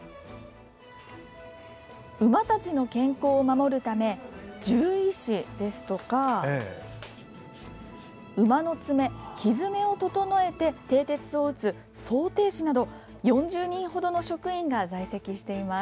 馬たちの健康を守るため獣医師ですとか馬の爪、ひづめを整えててい鉄を打つ装てい師など４０人ほどの職員が在籍しています。